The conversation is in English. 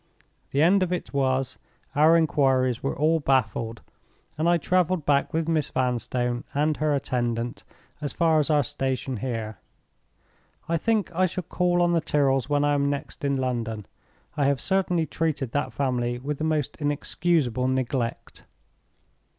The end of it was, our inquiries were all baffled, and I traveled back with Miss Vanstone and her attendant as far as our station here. I think I shall call on the Tyrrels when I am next in London. I have certainly treated that family with the most inexcusable neglect.